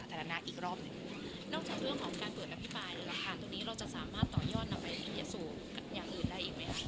ทางตัวนี้เราจะสามารถต่อยอดนำไปที่สู่อย่างอื่นได้อีกไหมครับ